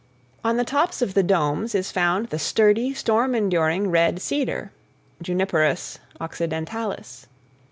On the tops of the domes is found the sturdy, storm enduring red cedar (Juniperus occidentalis).